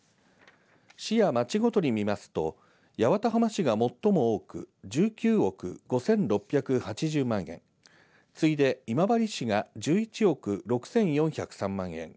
市や町ごとに見ますと八幡浜市が最も多く１９億５６８０万円次いで今治市が１１億６４０３万円